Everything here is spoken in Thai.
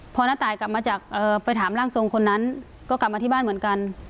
พอน้าตายกลับมาจากไปถามร่างทรงคนนั้นก็กลับมาที่บ้านเหมือนกัน